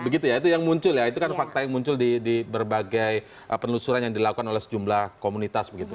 begitu ya itu yang muncul ya itu kan fakta yang muncul di berbagai penelusuran yang dilakukan oleh sejumlah komunitas begitu